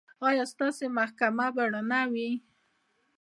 ایا ستاسو محکمه به رڼه وي؟